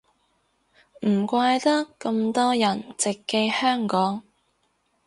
唔怪得咁多人直寄香港